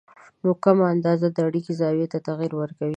نو کمه اندازه د اړیکې زاویې ته تغیر ورکړئ